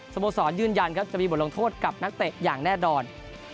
โมสรยืนยันครับจะมีบทลงโทษกับนักเตะอย่างแน่นอน